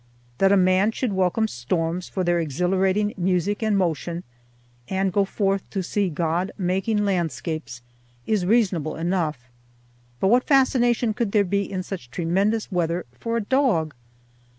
That a man should welcome storms for their exhilarating music and motion, and go forth to see God making landscapes, is reasonable enough; but what fascination could there be in such tremendous weather for a dog?